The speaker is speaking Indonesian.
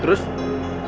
jelasin di mobil